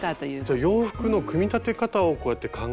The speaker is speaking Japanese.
じゃあ洋服の組み立て方をこうやって考えていく仕事を。